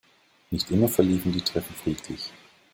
Nicht immer verliefen die Treffen friedlich.